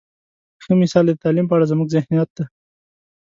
ښه مثال یې د تعلیم په اړه زموږ ذهنیت دی.